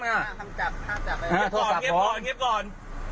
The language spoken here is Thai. เยี่ยวก่อน